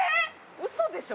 ウソでしょ！？